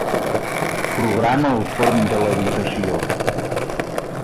Programa el forn de l'habitació.